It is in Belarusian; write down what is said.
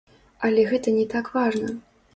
Але гэта не так важна.